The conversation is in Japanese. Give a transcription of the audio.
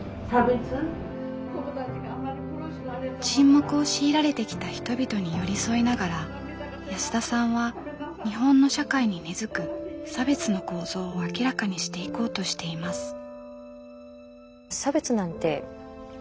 沈黙を強いられてきた人々に寄り添いながら安田さんは日本の社会に根づく差別の構造を明らかにしていこうとしています。